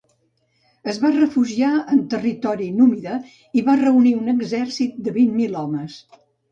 Es va refugiar en territori númida i va reunir un exèrcit de vit mil homes.